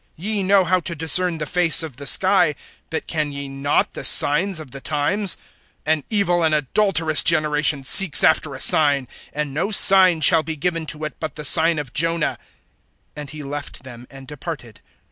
Ye know how to discern the face of the sky, but can ye not the signs of the times? (4)An evil and adulterous generation seeks after a sign; and no sign shall be given to it, but the sign of Jonah. And he left them, and departed.